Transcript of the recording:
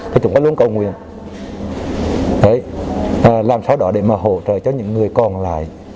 thì chúng ta luôn cầu nguyện và làm sao đó để mà hỗ trợ cho những người còn lại